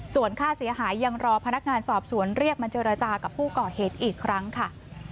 ส่วนค่าเสียหายยังรอพนักงานสอบสวนเรียกมาเจรจากับผู้ก่อเหตุอีกครั้งค่ะ